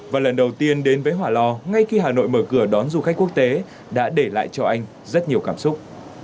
và lần đầu tiên đến với hỏa lò ngay khi hà nội mở cửa đón du khách quốc tế đã để lại cho anh rất nhiều cảm xúc